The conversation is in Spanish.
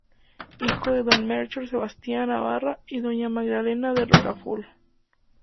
Hijo de don Melchor Sebastián Navarra y doña Magdalena de Rocafull.